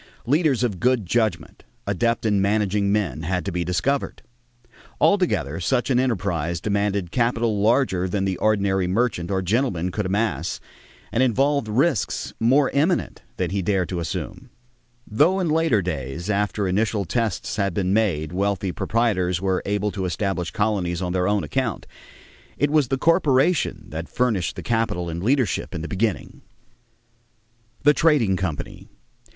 Leaders of good judgment, adept in managing men, had to be discovered. Altogether such an enterprise demanded capital larger than the ordinary merchant or gentleman could amass and involved risks more imminent than he dared to assume. Though in later days, after initial tests had been made, wealthy proprietors were able to establish colonies on their own account, it was the corporation that furnished the capital and leadership in the beginning. =The Trading Company.